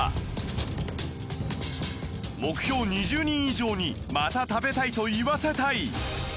目標２０人以上に「また食べたい」と言わせたい